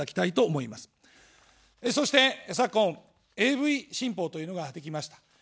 そして昨今、ＡＶ新法というのができました。